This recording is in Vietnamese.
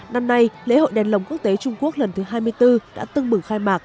năm nay lễ hội đèn lồng quốc tế trung quốc lần thứ hai mươi bốn đã tưng bửu khai mạc